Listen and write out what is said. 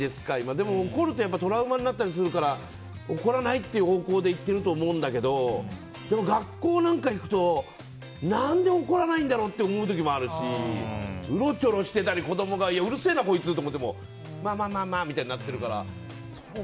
でも怒るとトラウマになったりするから怒らないっていう方向で言ってると思うんだけどでも、学校なんか行くと何で怒らないんだろうって思う時もあるしうろちょろしてたり子供が、うるせえなこいつって思ってもまあまあ、ってなるから。